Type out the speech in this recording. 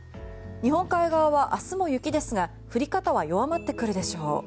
日本海側は明日も雪ですが降り方は弱まってくるでしょう。